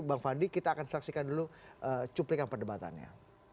bang fadli kita akan saksikan dulu cuplikan perdebatannya